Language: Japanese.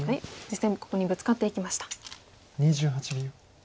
実戦もここにブツカっていきました。